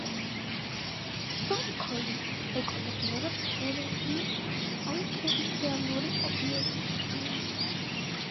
სონქოლი ეკოლოგიური ტურიზმის პოტენციური ობიექტია.